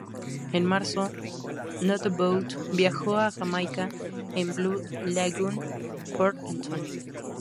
En marzo, No Doubt viajó a Jamaica, en Blue Lagoon, Port Antonio.